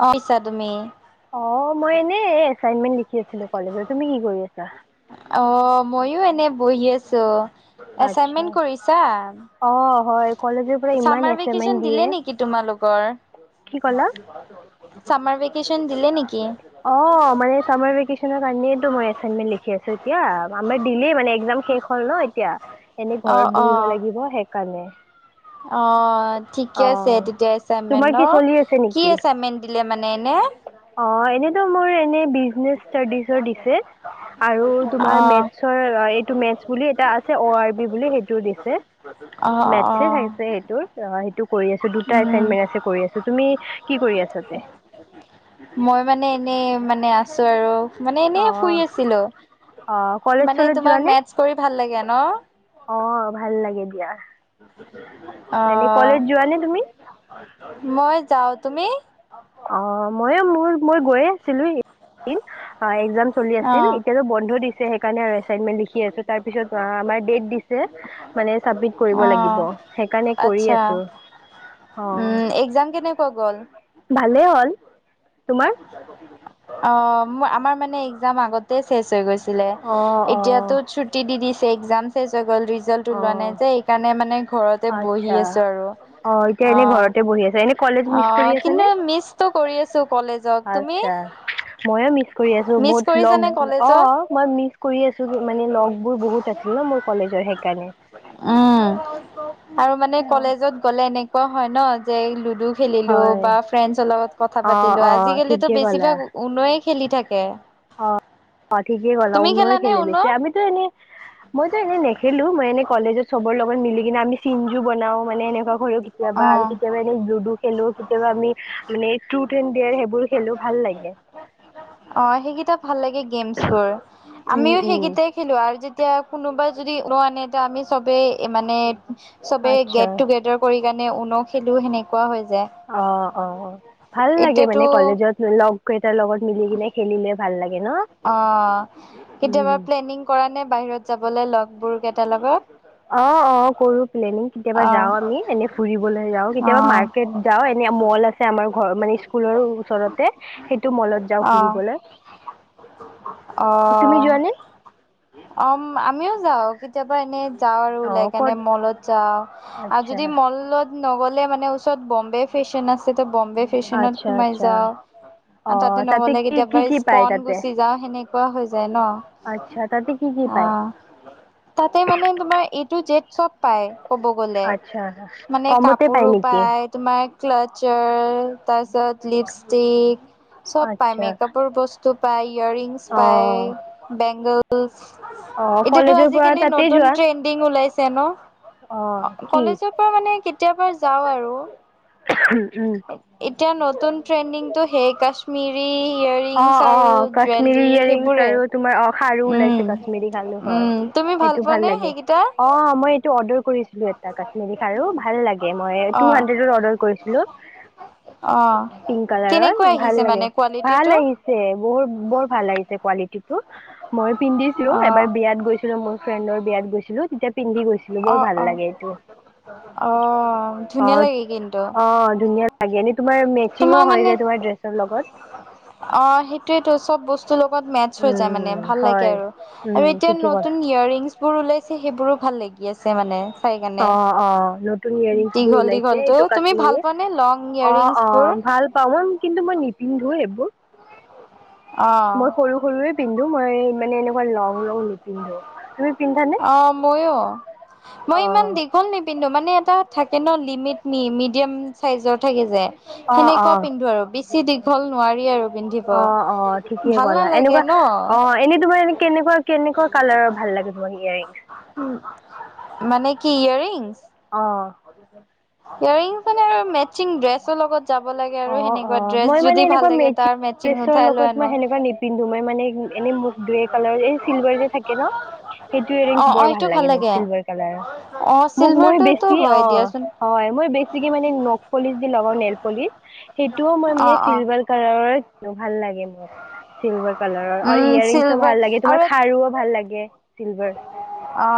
অ, আহিছা তুমি অ, মই এনেই, এছাইনমেণ্ট লিখি আছিলো কলেজৰ, তুমি কি কৰি আছা? অ', মইও এনে বহি আছো। আচ্ছা এচাইনমেণ্ট কৰিছা? অঁ হয় কলেজৰ পৰা ইমান চামাৰ এছাইনমেণ্ট ভেকেচন দিয়ে দিলে নেকি তোমালোকৰ? কি ক'লা চামাৰ ভেকেচন দিলে নেকি? অ', মানে চামাৰ ভেকেচনৰ কাৰণেটো মই এচাইনমেন্ট লিখি আছো এতিয়া। আমাৰ ডেইলী মানে একজাম শেষ হ'ল ন' এতিয়া এনে অ ঘৰত অ বহিব লাগিব সেইকাৰণে। অ', ঠিকে আছে অঁ তেতিয়া এছাইনমেণ্ট তোমাৰ কি ন'! চলি আছে কি এছাইনমেণ্ট দিলে মানে এনে? অ', এনেতো মোৰ এনেই বি বিজনেচ ষ্টাডিজৰ দিছে আৰু অ তোমাৰ মেটচৰ, এইটো মেটচ বুলি এটা আছে অ' আৰ বি বুলি সেইটো দিছে অ অ মেটচ থাকে সেইটোৰ অ', সেইটো কৰি আছো। সেই দুটা উম এছাইনমেণ্ট আছে কৰি আছো, তুমি কি কৰি আছাতে? মই মানে এনেই মানে আছো আৰু মানে এনে অ শুই আছিলো। অ কলেজ মানে চলেজ তোমাৰ যোৱা নে মেটছ কৰি ভাল লাগে ন'? অ ভাল লাগে দিয়া এনে কলেজ অ', যোৱা নে তুমি মই যাও, তুমি? অ', মইও মোৰ মই গৈয়ে আছিলো। অ', এক্জাম চলি আছিল অ এতিয়াতো বন্ধ দিছে। সেইকাৰণে আৰু এছাইনমেণ্ট লিখি আছোঁ, তাৰ পিছত আমাক ডেট দিছে মানে চাবমিট কৰিব লাগিব। অ', সেইকাৰণে কৰি আচ্ছা আছো। অ উম, এক্জাম কেনেকুৱা গ'ল? ভালে হ'ল, তোমাৰ? অ', ম আমাৰ মানে এক্জাম আগত তেই শেষ হৈ গৈছিলে, অ অ এতিয়াতো ছুটি দি দিছে এক্সাম শেষ হৈ গ'ল, ৰি ৰিজাল্ট অ ওলোৱা নাই যে, সেইকাৰণে মানে ঘৰতে বহি আচ্ছা আছো আৰু। অ এতিয়া এনে অ', ঘৰতে বহি আছা এনে কলেজ মিচ কৰি অ', আছা নে? কিন্তু মিচটো কৰি আছো কলেজ জত তুমি? আচ্ছা ময়ো মিচ কৰি আছো মিচ বহুত ল'গ কৰিছানে কলেজত? অ', মই মিচ কৰি আছো মানে ল'গ বোৰ বহুত আছে ন' মোৰ কলেজৰ সেইকাৰণে। উম, আৰু মানে কলেজত গ'লে এনেকুৱা হয়, ন' যে লুডু খেলিলো হয় বা ফ্ৰেণ্ডছৰ লগত কথা অ পাতিলো অ আজিকালিতো ঠিকে ক'লা বেছিভাগ উনোয়ে খেলি থাকে। অ অ', ঠিকে ক'লা তুমি উনো এ খেলানে খেলে উন? বেছি আমিতো এনেই মইতো এনে নেখেলো মই এনে কলেজত চবৰ লগত মিলি কিনে আমি চিঞজু বনাও মানে এনেকুৱা কৰোঁ। কেতিয়াবা আৰু অ', কেতিয়াবাই লুডু খেলো কেতিয়াবা আমি মানে ট্ৰুথ এণ্ড দেয়াৰ সেইবোৰ খেলো ভাল লাগে। অ', সেইকেইটা ভাল লাগে গেমছ বোৰ, উম আমিও উম সেইকেইটাই খেলো আৰু যেতিয়া কোনোবাই যদি উনো আনে তেতিয়া আমি চবেই মানে চবেই আচ্ছা গেট টুগেডাৰ কৰি কাৰনে উনো খেলো সেনেকুৱা হৈ যায়। অ', অ', ভাল লাগে এতিয়াতো মানে কলেজত ল'গ কেইটাৰ লগত মিলি কিনে খেলিলে। ভাল লাগে ন'! অ', উম কেতিয়াবা প্লেনিং কৰা নে বাহিৰত যাবলে লগবোৰ কেইটাৰ লগত? অ', অ', কৰো প্লেনিং কেতিয়াবা অ', যাও আমি এনেই ফুৰিবলৈ যাওঁ, কেতিয়াবা অ', মাৰ্কেট যাও এনে ম'ল আছে আমাৰ ঘৰ মানে স্কুলৰ ওচৰতে সেইটো ম'লত যাওঁ ফুৰিবলৈ। তুমি অ', যোৱানে? অ', আমিও যাও কেতিয়াবা এনেই যাওঁ আৰু ওলাই অ', কেনে ক'ত ম'লত যাওঁ আৰু আচ্ছা, যদি ম'লত নগ'লে মানে ওচৰত বম্বে ফেশ্বন আছে টো বম্বে ফেচনত আচ্ছা, সোমাই আচ্ছা যাওঁ আৰু অ', তাতে নগ'লে কি কি কেতিয়াবা কি পায় ইস্কন তাতে? গুচি যাওঁ সেনেকুৱা হৈ যায় নহ। [unintelligible] অ তাতে মানে তোমাৰ এ তু জেড চব। পাই ক'ব গ'লে আচ্ছা মানে কমতে কাপোৰো নেকি? পায়। তোমাৰ ক্লাটচাৰ তাৰপিছত লিপষ্টিক। চব পায় আচ্ছা মেকআপৰ বস্তু পায় ইয়াৰিংছ পায় অ', বেংগল অ', এতিয়াতো কলেজৰ পৰা আজিকালি তাতে নতুন যোৱা? ট্ৰেণ্ড। [unintelligible] উলাইছে অ' নহ কি কলেজৰ পৰা মানে কেতিয়াবা যাওঁ আৰু। উম, উম। এতিয়া নতুন ট্ৰেণ্ডিংটো সেই কাশ্মীৰী। অ, অ কাশ্মিৰী ইয়েৰিংছ সেইবোৰে। আৰু তোমাৰ অ খাৰু উম, উলাইছে। কাশ্মীৰী খাৰু হয় উম, তুমি সেইটো পোৱা ভাল নে লাগে, সেইকেইটা? অ মই এইটো অৰ্ডাৰ কৰিছোঁ। [unintelligible] কাশ্মীৰী খাৰু ভাল লাগে মই টু অ', হাড্ৰেডত অৰ্ডাৰ কৰিছিলো। অ', পিংক কালাৰৰ কেনেকুৱা ভাল আহিছে লাগে। মানে ভাল কোৱালিটিটো? লাগিছে বহুত বোৰ ভাল লাগিছে কোৱালিটিটো মই পিন্ধি ছিলোঁ অ', এবাৰ বিয়াত গৈছিলো মোৰ ফ্ৰেণ্ডৰ বিয়াত গৈছিলো তেতিয়া পিন্ধি গৈছিলো বোৰ অ', ভাল অ', লাগে এইটো। অ ধুনীয়া লাগে কিন্তু। তাকে এনেই তোমাৰ মেচিঙো তোমাৰ হৈ মানে যায় তোমাৰ ড্ৰেছৰ লগত। অ সেইটোৱেতো চব বস্তু ল মেটছ হৈ যায় মানে উম, ভাল লাগে হয় আৰু উম, আৰু এতিয়া ঠিকে ক'লা নতুন ইয়াৰৰিংছ। বোৰ ওলাইছে সেইবোৰো ভাল লাগে [unintelligible] মানে চাই কেনে অঁ অঁ নতুন ইয়েৰিংছবোৰ দীঘল, ওলাইছে দীঘলটো এইটো তুমি কাশ্মীৰী ভাল মানে লং অঁ ইয়াৰৰিংছবোৰ। অঁ [unintelligible] কিন্তু মই নিপিন্ধু এইবোৰ অ', মই সৰু সৰুয়ে পিন্ধো মই মানে এনেকুৱা লং, লং নিপিন্ধো তুমি পিন্ধা অ মইয়ো মই ইমান অঁ দীঘল নিপিন কিন্তু মানে এটা থাকে নহ লিমিট মি-মিডিয়াম চাইজৰ থাকে যে। অঁ সেনেকুৱা অঁ পিন্ধো আৰু বেছি দীঘল নোৱাৰি আৰু। পিন্ধিব। অ, অ ঠিকে ভাল ক'লা নালাগে এনেকুৱা ন অ এনেই তোমাৰ এনে কেনেকুৱা, কেনেকুৱা কালাৰৰ ভাল লাগে। [unintelligible] মানে কি ইয়াৰৰিংছ? অ'। ইয়াৰৰিংছ মানে আৰু মেচিং ড্ৰেছৰ লগত। যাব লাগে আৰু অঁ সেনেকুৱা অঁ মই ড্ৰেছ মানে যদি এনেকুৱা ভাল লাগে তাৰ মেচিং উঠাই লৈ আনো। পিন্ধো মই মানে এনে মোক গ্ৰে কালাৰ এই চিলভাৰ যে থাকে নহ। সেইটো অ ইয়াৰৰিংছ অ বোৰ সেইটো ভাল লাগে মোক চিলভাৰ কালাৰৰ। অ মোক মই চিলভাৰটোতো বেছি অ হয় দিয়াচোন হয় মই বেছিকে মানে নখ পলিছ দি লগাওঁ যে নেল পলিছ। সেইটোও মই অ মানে অ চিলভাৰ কালাৰৰ কিনো ভাল লাগে মোক চিলভাৰ কালাৰৰ আৰু উম ইয়াৰৰিংছও চিলভাৰ ভাল লাগে। আৰু তোমাৰ খাৰুও ভাল লাগে চিলভাৰ। অ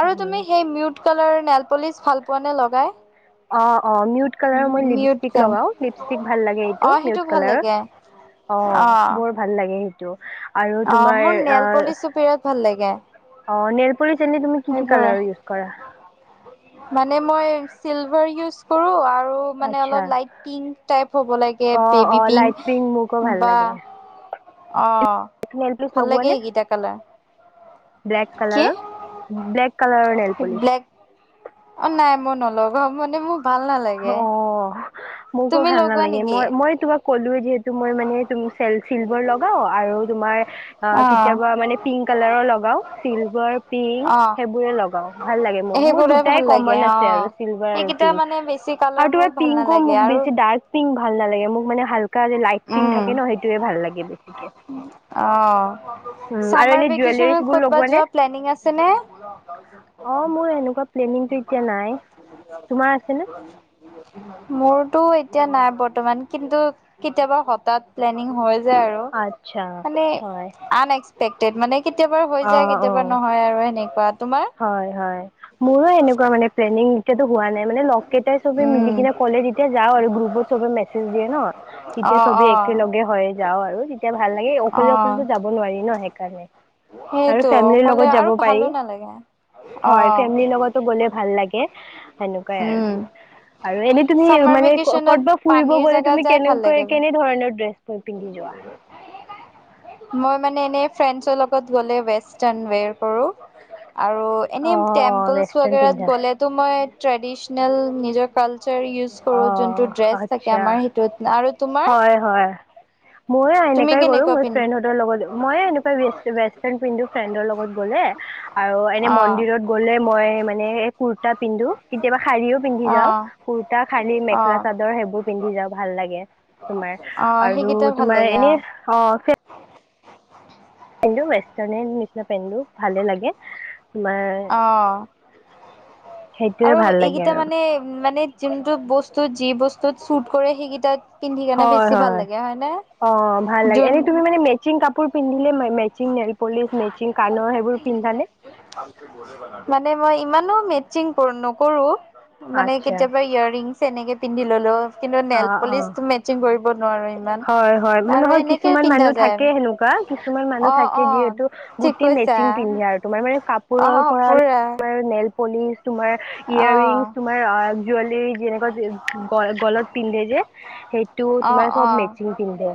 আৰু তুমি সেই মিউট কালাৰ নেইল পলিচ ভাল পোৱা নে লগাই? অ, অ মিউট। কালাৰৰ মই মিউট ক লিপষ্টিক লগাও লিপষ্টিক ভাল লাগে অ এইটো সেইটো মিউট ভাল কালাৰৰ। লাগে অ বোৰ ভাল লাগে সেইটো আৰু অ মোৰ তোমাৰ নেল পলিচটো বিৰাট ভাল লাগে আহ অ নেইল পলিছ এনে তুমি কি, কি সেইবোৰে কালাৰৰ ইউজ কৰা? মানে মই চিলভাৰ ইউজ কৰোঁ। আৰু মানে আচ্ছা অলপ লাইট পিংক টাইপ হ'ব লাগে, অ অ বেবি লাইট মোকো পিংক ভাল বা লাগে অ' নেল পলিচ ভাল লগোৱা লাগে নে? এইকেইটা কালাৰ। ব্লেক কি কালাৰ ব্লেক কালাৰৰ নেল পলিছ। ব্লেক অ' নাই মই নলগাও মানে মোৰ ভাল নালা অহ' মোকো ভাল লগোৱা নালাগে। নেকি মই মই তোমাক ক'লোৱে যিহেতু মই মানে তুমি চিল চিলভাৰ লগাও আৰু তোমাৰ অ' কেতিয়াবা মানে পিংক কালাৰৰ লগাওঁ। চিলভাৰ, পিংক, অ সেইবোৰে লগাও, ভাল লাগে মোক মোৰ সেইবোৰে ভাল দুটায়ে লাগে কমন অ আছে আৰু চিলভাৰ আৰু সেইকেইটা মানে পিংক। বেছি কালাৰ আৰু মোৰ তোমাৰ ভাল পিংকও নালাগে মোক আৰু বেছি ডাৰ্ক পিংক ভাল নালাগে মোক মানে হাল কা যে লাইট পিংক উম থাকে ন, সেইটোৱে ভাল লাগে বেছিকে। অ' উম, আৰু চামাৰ এনে জুৱেলাৰীজ ভেকচনত বোৰ ক'তবা লগোৱা নে? যোৱা প্লেনিং আছে নে? অ' মোৰ এনেকুৱা প্লেনিংটো এতিয়া নাই তোমাৰ আছেনে? [unintelligible] মোৰটো এতিয়া নাই বৰ্তমান, কিন্তু কেতিয়াবা হতাৎ প্লেনিং হৈ যায় আৰু আচ্ছা মানে হয় আন এক্সপেক্টেড মানে কেতিয়াবা হৈ যায়, অঁ অঁ কেতিয়াবা নহয় আৰু সেনেকুৱা। তোমাৰ? হয় হয়। মোৰো এনেকুৱা মানে প্লেনিং এতিয়াতো হোৱা নাই মানে, লগকেইটাই চবে মিলি উম কিনে কলে যেতিয়া যাও আৰু গ্ৰুপত চবে মেছেজ দিয়ে ন, অ তেতিয়া চবে অ একেলগে হৈ যাও আ তেতিয়া ভাল লাগে, অ অকলে অকলে যাব নোৱাৰি ন সেইকাৰণে। আৰু সেইটো ফেমলিৰ অকলে লগত যাব আৰু পাৰি। ভালো নালাগে অ হয়, ফেমলিৰ লগতো গ'লে ভাল লাগে, সেনেকুৱাই আৰু উম তোমাৰ। আৰু এনেই তুমি চামাৰ মানে ভেকেচনত ক'তবা ফুৰিব পানীৰ গ'লে জেগাত তুমি যাই কে ভাল লাগে কেনেধৰণে ড্ৰেছ পিন্ধি যোৱা? মই মানে এনে ফ্ৰেণ্ডছ লগত গলে ৱেষ্টাৰন [unintelligible] কৰো। আৰু এনেই অঁ অঁ টেম্পলচ ৱেষ্টাৰ্ণ বাগেৰাত পিন্ধা গ'লে। তোমাৰ ট্ৰেডিচনেল নিজৰ কালচাৰ ইউজ কৰোঁ, যোনটো অঁ ড্ৰেছ থাকে আচ্ছা আমাৰ সেইটোত। আৰু তোমাৰ? হয় হয়। মইয়ো তুমি এনেকাই কৰো, কেনেকুৱা মোৰ পিন্ধা? ফ্ৰেণ্ডহতৰ লগত ময় এনেকুৱাই ৱেষ্টাৰ্ণ পিন্ধো ফ্ৰেণ্ডৰ লগত গ'লে। আৰু এনে অ', মন্দিৰত গলে মই মানে কুৰ্তা পিন্ধো, কেতিয়াবা শাৰীও পিন্ধি যাও। অ', খালি মেখেলা অ', চাদৰ সেইবোৰ পিন্ধি যাওঁ ভাল লাগে তোমাৰ। অ', আৰু সেইকেইটা ভাল তোমাৰ লাগে এনে অ', অ'। [unintelligible] পেণ্টো ৱেষ্টাৰ্ণ নিচিনা পিন্ধো ভালেই লাগে। [unintelligible] অ'। সেইটোয়ে আৰু ভাল লাগে এইকেইটা আৰু মানে মানে যোনটো বস্তু যি বস্তুত শুট কৰে সেইকেইটাত। [unintelligible] কাৰণে হয় বেছি ভাল হয় লাগে হয়নে? অ' ভাল লাগে, এনেই যোন তুমি মানে মেচিং কাপোৰ পিন্ধিলে, মেচিং নেলপলিছ মেচিং কানৰ সেইবোৰ পিন্ধা নে? মানে মই ইমানো মেচিং নকৰো। মানে আচ্ছা কেতিয়াবা ইয়াৰ ৰিংছ এনেকে পিন্ধি ললো। কিন্তু অ নেল অ পলিচটো মেচিং কৰিব নোৱাৰো, ইমান হয় হয় মানে আৰু হয় এনেকে কিছুমান পিন্ধা মানুহ যায় থাকে আৰু। সেনেকুৱা কিছুমান মানুহ অ থাকে অ যিহেতু ঠিক গোটেই কৈছা মেচিং পিন্ধে আৰু তোমাৰ মানে অ কাপোৰৰ পৰা পুৰা নেল পলিচ তোমাৰ অ ইয়াৰিংছ তোমাৰ জুৱেলৰী যেনেকুৱা গলত পিন্ধে যে, সেইটো অ তোমাৰ অ চব মেচিং পিন্ধে।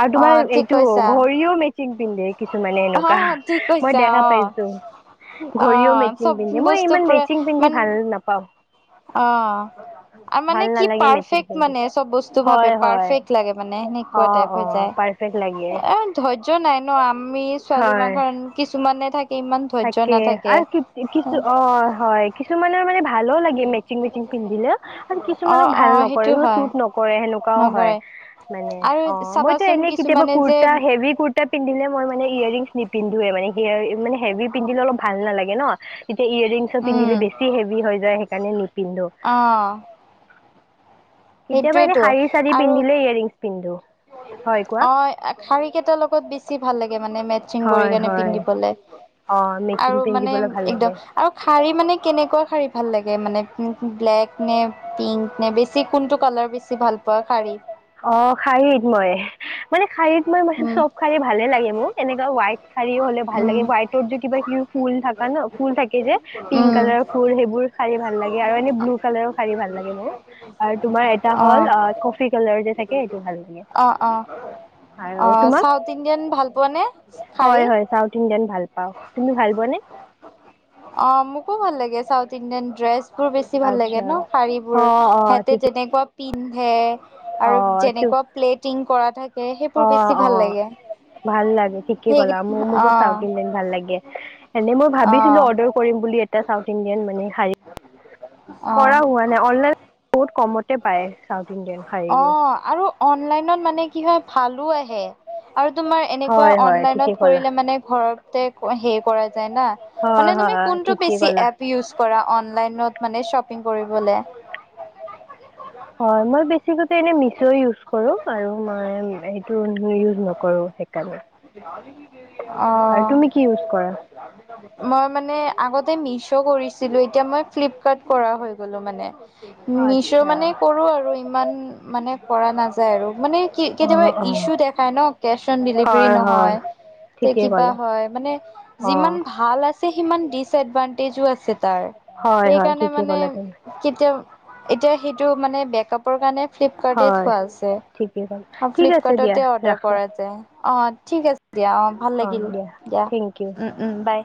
আৰু অ তোমাৰ ঠিক এইটো কৈছা ঘড়ীও মেচিং পিন্ধে। কিছুমানে অ এনেকুৱা, ঠিক মই কৈছা দেখা অ পাইছো। অ ঘড়ীও মেচিং চব পিন্ধে, মই বস্তু ইমান পুৰা মেচিং পিন্ধি মান ভাল নাপাওঁ। অ, মানে ভাল কি নালাগে মেচিং পাৰফেক্ট পিন্ধি মানে চব বস্তু ভাবে হয় হয় পাৰফেক্ট লাগে মানে, অ সেনেকুৱা টাইপ অ হৈ যায়। পাৰফেক্ট লাগে এ, ধৈৰ্য নাই ন, আমি ছোৱালী মাখৰ কিছুমানে থাকি থাকে, আৰু কিছু অ, হয়, কিছুমানৰ মানে ভ ভালো লাগে মেচিং-মেচিং পিন্ধিলে, আৰু অ কিছুমানক অ ভাল নকৰে, সেইটো হয় শ্বুট নকৰে, সেনেকুৱাও হয়। নকৰে। মানে আৰু অ, মইতো চাবাচোন এনেই কেতিয়াবা কিছুমানে যে কুৰ্তা হেভি কুৰ্তা পিন্ধিলে মই মানে ইয়োৰৰিংছ নিপিন্ধোৱে ৱমানে হেভি পিন্ধিলে অলপ ভাল নালাগে ন! তেতিয়া ইয়েৰিংছো উম পিন্ধিলে বেছি হেভি হৈ যায়, সেইকাৰণে নিপিন্ধো। অঁ। কেতিয়াবা এনে শাৰী-চাৰী আৰু পিন্ধিলে ইয়েৰিংছ পিন্ধো। হয় কোৱা অ, শাৰী কেইটাৰ লগত বেছি ভাল লাগে মানে, মে চিং কৰি হয় কেনে হয় পিন্ধিবলৈ, অ মেচিং আৰু মানে পিন্ধিবলৈ ভাল লাগে এক্দম আৰু শাৰী মানে কেনেকুৱা শাৰী ভাল লাগে মানে, ব্লেক নে পিংক নে! বেছি কোনটো কালাৰ বেছি ভাল পোৱা শাৰীত? অ, শাৰীত মই মানে শাৰীত মই উম চব শাৰী ভালে লাগে মোক, এনেকুৱা হোৱাইট শাৰী হ'লে ভাল উম লাগে, হোৱাইট যে কিবা-কিবি ফুল থাকা ন, ফুল থাকে যে, পিংক উম কালাৰৰ ফুল সেইবোৰ শাৰী ভাল লাগে, আৰু এনে ব্লু কালাৰৰ শাৰী ভাল লাগে মোৰ, আৰু তোমাৰ এটা হ'ল অ, কফি কালাৰ যে থাকে সেইটো ভাল লাগে অ, অ। অ, আৰু তোমাক চাউথ ইণ্ডিয়ান ভাল পোৱা নে শাৰী? হয় হয় চাউথ ইণ্ডিয়ান ভাল পাওঁ তুমি ভাল পোৱানে অ, মোকো ভাল লাগে, চাউথ ইণ্ডিয়ান ড্ৰেছ বোৰ বেছি ভাল লাগে আচ্ছা ন, শাৰী বোৰ, অ' অ' সিহঁতে ঠিকে যেনেকুৱা পিন্ধে আৰু অ' তো যেনেকুৱা প্লেটিং কৰা থাকে, সেইবোৰ অ' বেছি অ' ভাল লাগে। ভাল লাগে, ঠিকে সেই ক'লা। মোকো অ', চাউথ ইণ্ডিয়ান ভাল লাগে, এনে মই অ', ভাবিছিলো অৰ্ডাৰ কৰিম বুলি এটা চাউথ ইণ্ডিয়ান মানে শাৰী। অ', কৰা হোৱা নাই, অনলাইন বহুত কমতে পায় চাউথ ইণ্ডিয়ান। অ, শাৰীবোৰ আৰু অনলাইনত মানে কি হয়, ভালো আহে। আৰু তোমাৰ এনেকুৱা হয় হয় ঠিকেই অনলাইনত ক'লা কৰিলে মানে ঘৰতে হেৰি কৰা যায় না! হয় মনে তুমি হয় কোনটো ঠিকেই বেছি ক'লা এপ ইউচ কৰা, অনলাইনত মানে শ্বপিং কৰিবলে? হয়, মই বেছিকতে এনে মিছ' ইউচ কৰো আৰু মই এইটো ইউচ নকৰো সেইকাৰণে। আৰু অঁ। তুমি কি ইউজ কৰা মই মানে আগতে মিছ' কৰিছিলো, এতিয়া ফ্লিপকাৰ্ট কৰা হৈ গ'লো মানে, মিছ' আচ্ছা মানে কৰো আৰু ইমান মানে কৰা নাযায় আৰু, মানে কি অ কেতিয়াবা অ ইচ্যু দেখাই ন, কেছ অন ডেলিভাৰ ৰী হয় হয় নহয়, তে ঠিকেই কিবা ক'লা হয়, মানে অ যিমান ভাল আ ছে সিমান ডিচএডভানটেজো আছে তাৰ, হয় হয় সেইকাৰণে ঠিকেই মানে ক'লা তুমি [unintelligible] এতিয়া সেইটো মানে বেকআপ পৰ কাৰণে ফ্লিপকাৰ্ট হয় থোৱা আছে, ঠিকেই ক'লা আৰু ঠিক আছে দিয়া ফ্লিপকাৰ্টতে অৰ্ডাৰ ৰাখো কৰা যায়। অ, ঠিক আছে, দিয়া, অ, ভাল লাগিল, দিয়া। উম, উম, বাই।